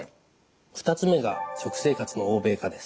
２つ目が食生活の欧米化です。